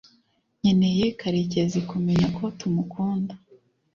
nkeneye karekezi kumenya ko tumukunda